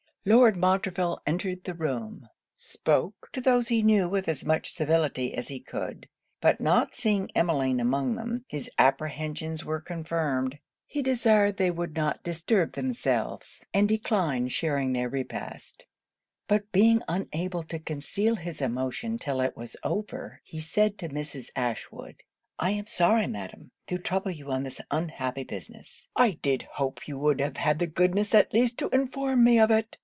Lord Montreville entered the room; spoke to those he knew with as much civility as he could; but not seeing Emmeline among them, his apprehensions were confirmed. He desired they would not disturb themselves; and declined sharing their repast; but being unable to conceal his emotion till it was over, he said to Mrs. Ashwood 'I am sorry, Madam, to trouble you on this unhappy business. I did hope you would have had the goodness at least to inform me of it.